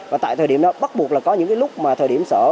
và tại thời điểm đó bắt buộc là có những cái lúc mà thời điểm sở